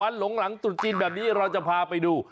หลงหลังตรุษจีนแบบนี้เราจะพาไปดู